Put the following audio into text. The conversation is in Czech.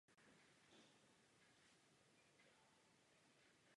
Pěstovaly se především obilniny a také chmel.